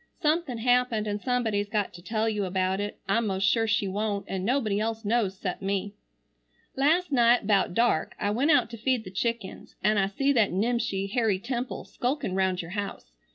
Something happened and somebody's got to tell you about it. I'm most sure she wont, and nobody else knows cept me. "Last night 'bout dark I went out to feed the chickens, an' I see that nimshi Harry Temple skulkin round your house.